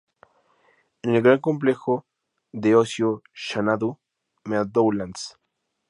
En el gran complejo de ocio Xanadu Meadowlands.